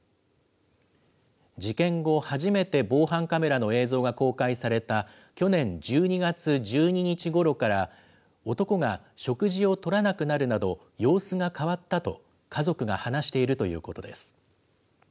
事件後、初めて防犯カメラの映像が公開された去年１２月１２日ごろから、男が食事をとらなくなるなど、様子が変わったと家族が話しているということです。